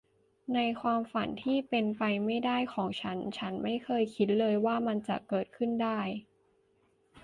ในความฝันที่เป็นไปไม่ได้ของฉัน ฉันไม่เคยคิดเลยว่ามันจะเกิดขึ้นได้